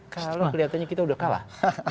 kalau kelihatannya kita udah kalah